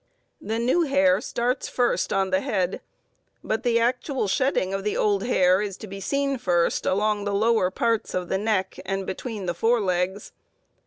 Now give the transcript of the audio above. The new hair starts first on the head, but the actual shedding of the old hair is to be seen first along the lower parts of the neck and between the fore legs.